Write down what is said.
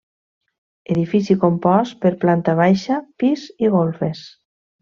Edifici compost per planta baixa, pis i golfes.